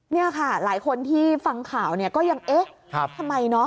นี่ค่ะหลายคนที่ฟังข่าวก็ยังเอ๊ะทำไม